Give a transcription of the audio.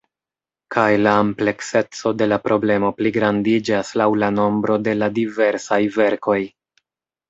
Kaj la amplekseco de la problemo pligrandiĝas laŭ la nombro de la diversaj verkoj.